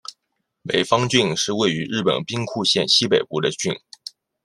美方郡是位于日本兵库县西北部的郡。